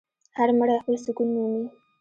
هر مړی خپل سکون مومي.